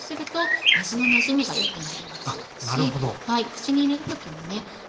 口に入れる時にね